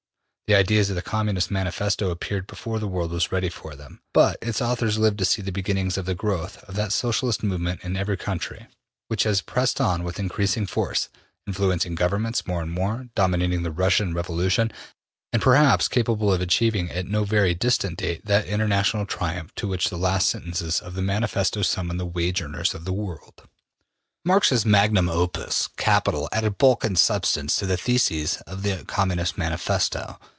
The ideas of the Communist Manifesto appeared before the world was ready for them, but its authors lived to see the beginnings of the growth of that Socialist movement in every country, which has pressed on with increasing force, influencing Governments more and more, dominating the Russian Revolution, and perhaps capable of achieving at no very distant date that international triumph to which the last sentences of the Manifesto summon the wage earners of the world. Marx's magnum opus, ``Capital,'' added bulk and substance to the theses of the Communist Manifesto.